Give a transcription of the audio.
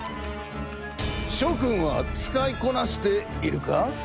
しょ君は使いこなしているか？